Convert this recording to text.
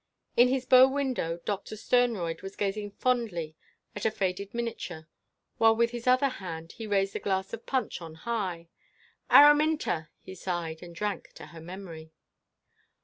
In his bow window Doctor Sternroyd was gazing fondly at a faded miniature, while with his other hand he raised a glass of punch on high. "Araminta!" he sighed, and drank to her memory.